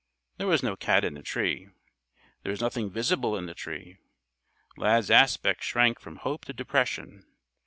There was no cat in the tree. There was nothing visible in the tree. Lad's aspect shrank from hope to depression.